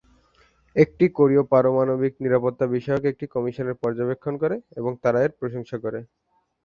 একটি কোরীয় পারমাণবিক নিরাপত্তা বিষয়ক একটি কমিশন এর পর্যবেক্ষণ করে এবং তারা এর প্রশংসা করে।